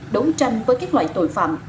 đấu tranh với các loại tội phạm